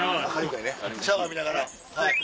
シャワー浴びながら。